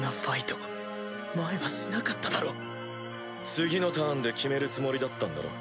次のターンで決めるつもりだったんだろ？